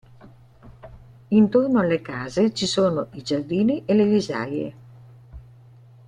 Intorno alle case ci sono i giardini e le risaie.